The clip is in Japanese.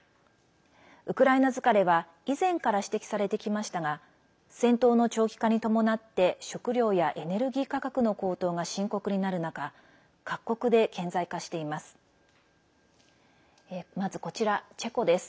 ウクライナ疲れは以前から指摘されてきましたが戦闘の長期化に伴って食料やエネルギー価格の高騰が深刻になる中各国で顕在化しています。